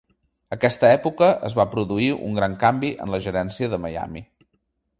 Aquesta època es va produir un gran canvi en la gerència de Miami.